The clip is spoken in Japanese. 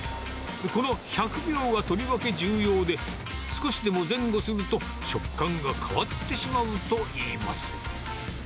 この１００秒がとりわけ重要で、少しでも前後すると、食感が変わってしまうといいます。